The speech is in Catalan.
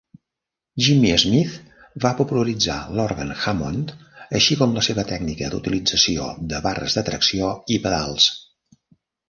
Jimmy Smith va popularitzar l'òrgan Hammond, així com la seva tècnica d'utilització de barres de tracció i pedals.